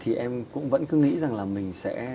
thì em cũng vẫn cứ nghĩ rằng là mình sẽ